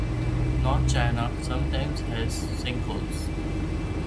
North China sometimes has sinkholes.